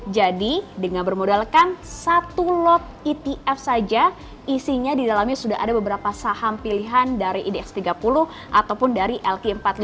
jadi dengan bermodalkan satu lot etf saja isinya di dalamnya sudah ada beberapa saham pilihan dari idx tiga puluh ataupun dari lk empat puluh lima